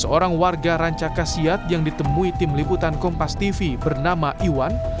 seorang warga rancakasiat yang ditemui tim liputan kompas tv bernama iwan